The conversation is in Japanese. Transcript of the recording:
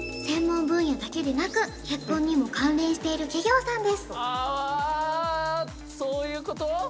専門分野だけでなく結婚にも関連している企業さんですあわそういうこと？